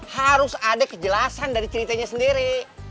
harus ada kejelasan dari ceritanya sendiri